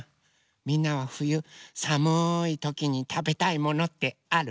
みんなはふゆさむいときにたべたいものってある？